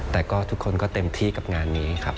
แต่ก็ทุกคนก็เต็มที่กับงานนี้ครับ